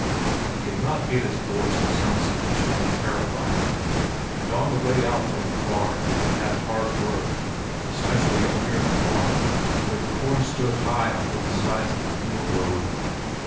He could not get his voice to sound sufficiently terrifying, and on the way out from the farm he had hard work, especially up near the farm, where the corn stood high on both sides of the field road.